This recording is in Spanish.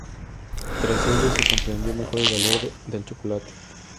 Tras ello, se comprendió mejor el valor del chocolate.